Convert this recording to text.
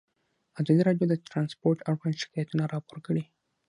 ازادي راډیو د ترانسپورټ اړوند شکایتونه راپور کړي.